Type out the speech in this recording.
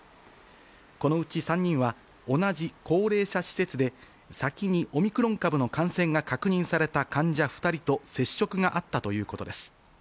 このうち３人は、同じ高齢者施設で、先にオミクロン株の感染が確認された患者２人と接触があったということです。